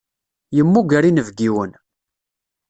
Yemmuger inebgiwen.